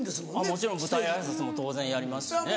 もちろん舞台挨拶も当然やりますしね。